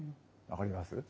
分かります？